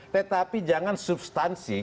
tetapi jangan substansi